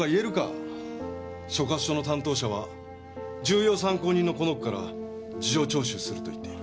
所轄署の担当者は重要参考人のこの子から事情聴取すると言っている。